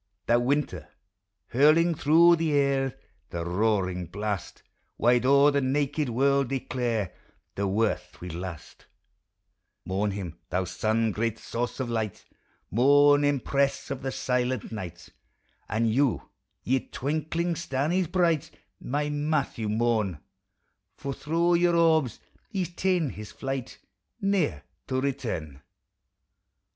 Thou, Winter, hurling through the air The roaring blast, Wide o'er the naked world declare The worth we've lost. 3GU POEMS OF FRIENDSHIP. Mourn him, thou sun, great source of light! Mourn, empress of the silent night! And you, ye twinkling starnies bright, My Matthew mourn! For thro' your orbs he 's ta'en his tlight, Ne'er to return.